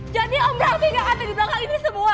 jadi om raffi gak ada di belakang ini semua